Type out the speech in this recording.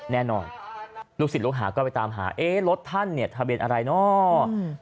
แน่นอนลูกศิษย์ลูกหาก็ไปตามหารถท่านเนี่ยทะเบียนอะไรเนาะ